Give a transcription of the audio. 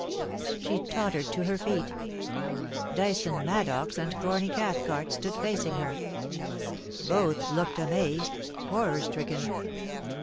* She tottered to her feet Dyson Maddox and Corny Cathcart stood facing her. Both looked amazed — horror stricken.